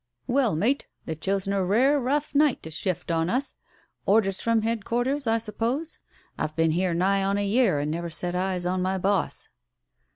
"Well, mate ! They've chosen a rare rough night to shift us on ! Orders from headquarters, I suppose ? I've been here nigh on a year and never set eyes on my boss